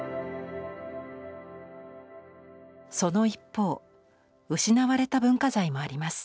その一方失われた文化財もあります。